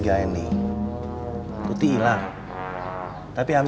berlatih setiap hari